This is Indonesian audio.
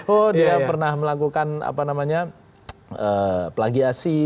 oh dia pernah melakukan plagiasi